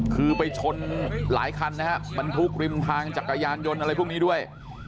คือไปชนหลายคันนะฮะบรรทุกริมทางจักรยานยนต์อะไรพวกนี้ด้วย